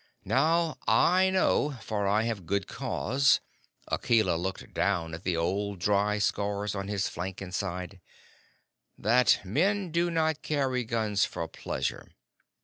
Now I know, for I have good cause," Akela looked down at the old dry scars on his flank and side, "that men do not carry guns for pleasure.